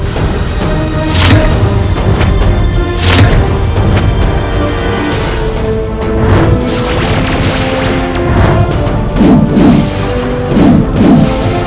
saatnya conservation layanan menjadi kehilangan diminishedoooooooos